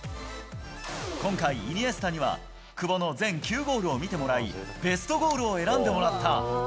今回、イニエスタには久保の全９ゴールを見てもらい、ベストゴールを選